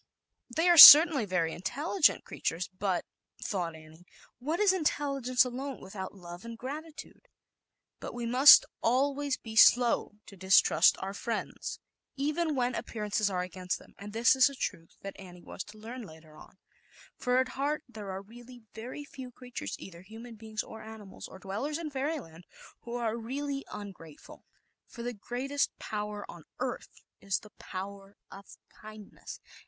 They are certainly very intelligent creatures, but, thought Annie, what is intelligence alone, without love and gratitude? But we must always be yfto distrust our friends even when earances are against them, and this is a truth that Annie was to learn later on; /for at heart there are really very few creatures, either human beings or animals, or dwellers in Fairyland, who are really ungrateful, for the greatest power on \ ZAUBERLINDA, THE WISE WITCH. 47 earth is the power of kindness.